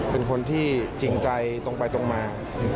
เป็นคนที่จริงใจตรงไปตรงมา